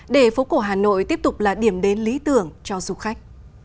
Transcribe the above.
để phố cổ hà nội tiếp tục là điểm đến lý tưởng cho du khách